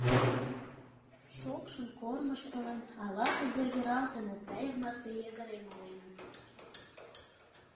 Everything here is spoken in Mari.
Шокшын кормыжтылын, ала-кузе йӧралтыныт да эр марте йыгыре маленыт.